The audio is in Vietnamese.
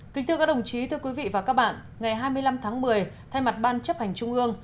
kính thưa các đồng chí thưa quý vị và các bạn ngày hai mươi năm tháng một mươi thay mặt ban chấp hành trung ương